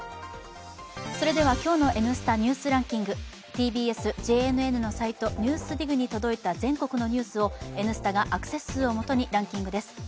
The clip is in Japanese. それでは今日の「Ｎスタ・ニュースランキング」ＴＢＳ・ＪＮＮのサイト「ＮＥＷＳＤＩＧ」に届いた全国のニュースを「Ｎスタ」がアクセス数を基にランキングです。